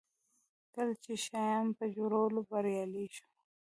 کله چې شیام په جوړولو بریالی شو.